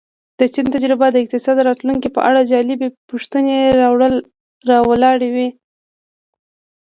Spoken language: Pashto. د چین تجربه د اقتصاد راتلونکې په اړه جالبې پوښتنې را ولاړوي.